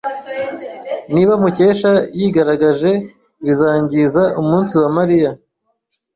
Niba Mukesha yigaragaje, bizangiza umunsi wa Mariya.